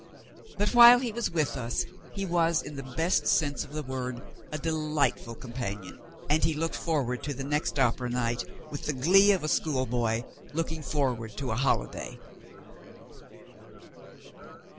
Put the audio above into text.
But, while he was with us, he was, in the best sense of the word, a delightful companion; and he looked forward to the next opera night with the glee of a schoolboy looking forward to a holiday.